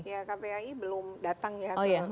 ya kpai belum datang ya